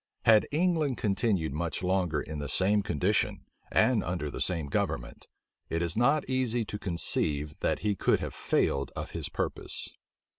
Had England continued much longer in the same condition, and under the same government, it is not easy to conceive that he could have failed of his purpose.